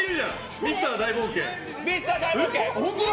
ミスター大冒険。